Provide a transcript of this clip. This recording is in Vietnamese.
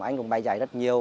anh cũng bay giải rất nhiều